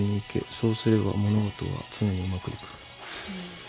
そうすれば物事は常にうまくいく。